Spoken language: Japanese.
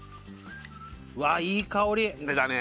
うわっいい香り出たね